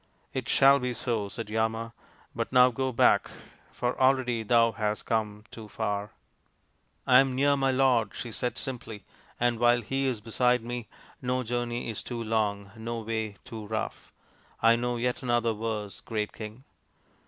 " It shall be so," said Yama ;" but now go back, for already thou hast come too far." " I am near my lord," she said simply, " and while he is beside me no journey is too long, no way too rough. I know yet another verse, great King."